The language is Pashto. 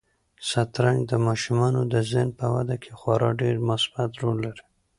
شطرنج د ماشومانو د ذهن په وده کې خورا ډېر مثبت رول لري.